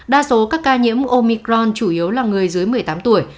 đa số các ca nhiễm omicron chủ yếu là người dưới một mươi tám tuổi